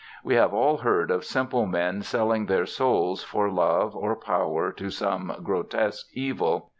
We have all heard of simple men selling their souls for love or power to some grotesque devil.